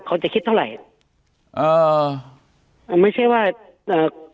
เขาจะคิดเท่าไหร่อ่าอ่าไม่ใช่ว่าเอ่อ